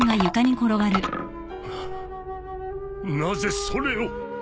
なぜそれを？